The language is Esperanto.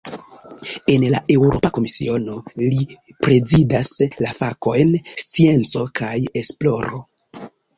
En la Eŭropa Komisiono, li prezidas la fakojn "scienco kaj esploro".